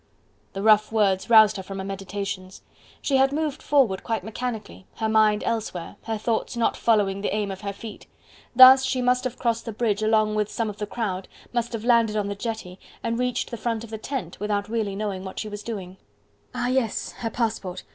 The rough words roused her from her meditations. She had moved forward, quite mechanically, her mind elsewhere, her thoughts not following the aim of her feet. Thus she must have crossed the bridge along with some of the crowd, must have landed on the jetty, and reached the front of the tent, without really knowing what she was doing. Ah yes! her passport!